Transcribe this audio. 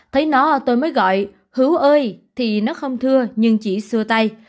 thấy nó tôi mới gọi hữu ơi thì nó không thưa nhưng chỉ xưa tay